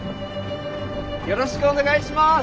よろしくお願いします。